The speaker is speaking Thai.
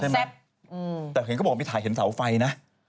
ใช่มั้ยแต่เห็นเขาบอกไม่ถ่ายเห็นเสาไฟนะ